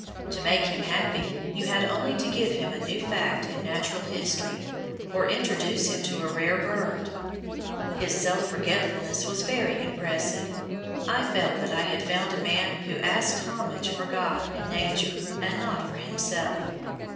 To make him happy you had only to give him a new fact in natural history, or introduce him to a rare bird. His self forgetfulness was very impressive. I felt that I had found a man who asked homage for God and Nature, and not for himself.